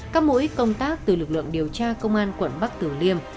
các mũi công tác từ lực lượng điều tra công an quận bắc tử liêm